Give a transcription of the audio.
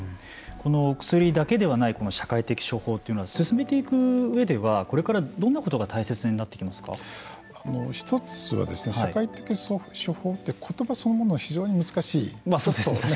薬だけではない社会的処方というのは進めていく上ではこれからどんなことが１つは社会的処方ってことばそのものが非常に難しい。